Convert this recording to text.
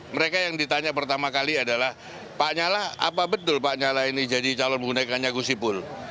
mereka yang ditanya pertama kali adalah pak nyala apa betul pak nyala ini jadi calon menggunakannya gusipul